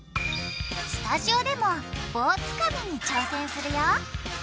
スタジオでも棒つかみに挑戦するよ。